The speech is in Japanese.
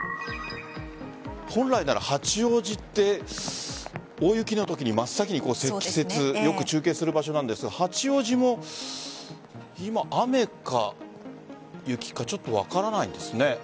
本来なら八王子って大雪のときに真っ先に積雪よく中継する場所なんですが八王子も今、雨か雪か分からないですね。